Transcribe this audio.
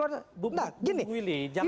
ini bu willy jangan dicari